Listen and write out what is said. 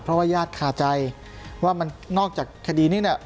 เพราะว่าญาติคาใจว่ามันนอกจากคดีนี้เนี่ย